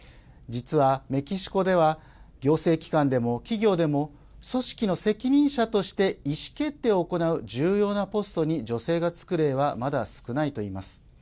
実はメキシコでは行政機関でも企業でも組織の責任者として意思決定を行う重要なポストに女性が就く例はまだ少ないといいます。